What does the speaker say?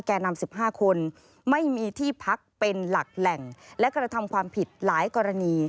แก่นำ๑๕คนไม่มีที่พักเป็นหลักแหล่งและกระทำความผิดหลายกรณี